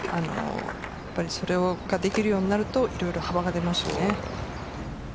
それができるようになると色々、幅が出ます。